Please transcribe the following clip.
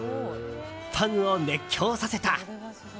ファンを熱狂させた。